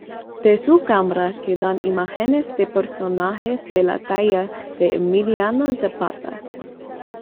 De su cámara quedan imágenes de personajes de la talla de Emiliano Zapata.